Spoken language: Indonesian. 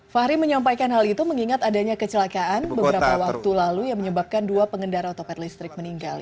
fahri menyampaikan hal itu mengingat adanya kecelakaan beberapa waktu lalu yang menyebabkan dua pengendara otopet listrik meninggal